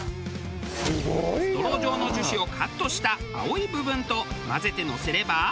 ストロー状の樹脂をカットした青い部分と混ぜてのせれば。